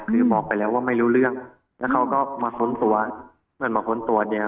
คือบอกไปแล้วว่าไม่รู้เรื่องแล้วเขาก็มาค้นตัวเหมือนมาค้นตัวเดียว